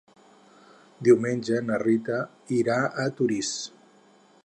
Diumenge na Rita irà a Torís.